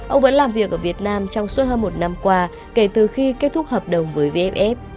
ông vẫn làm việc ở việt nam trong suốt hơn một năm qua kể từ khi kết thúc hợp đồng với vff